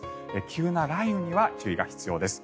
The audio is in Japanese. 急な雷雨には注意が必要です。